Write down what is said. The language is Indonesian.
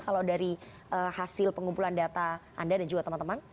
kalau dari hasil pengumpulan data anda dan juga teman teman